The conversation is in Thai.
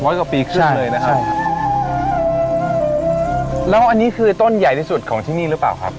อีกกว่าปีขึ้นครับผมใช่แล้วอันนี้คือต้นใหญ่ที่สุดของที่นี่หรือเปล่าครับ